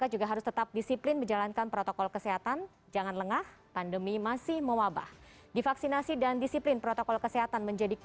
juga pak sony dan pak dedy